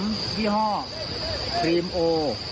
ไปประทะที่ผ่านแล้วก็พบซองขนมยี่ห้อครีมโอ